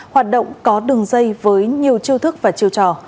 hoạt động có đường dây với nhiều chiêu thức và chiêu trò